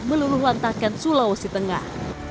meluruh lantakan sulawesi tengah